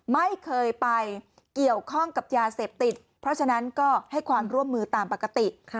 ไม่เคยไปเกี่ยวข้องกับยาเสพติดเพราะฉะนั้นก็ให้ความร่วมมือตามปกติ